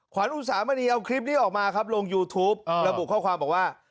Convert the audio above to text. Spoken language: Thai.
ขวัญอุสามณีเอาคลิปนี้ออกมาครับลงยูทูประบุข้อความบอกว่า